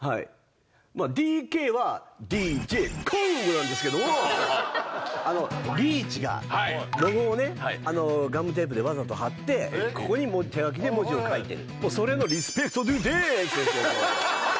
「ＤＫ」はＤＪＫＯＯなんですけれども、リーチがロゴをね、ガムテープでわざと貼って、ここに手書きで文字を書いている。